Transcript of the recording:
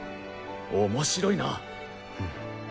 面白いな。